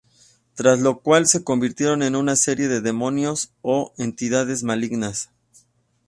Tras lo cual se convirtieron en una serie de demonios o entidades malignas.